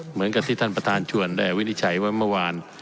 เหมือนกับที่ท่านประธานชวนได้วินิจฉัยว่าเมื่อวาน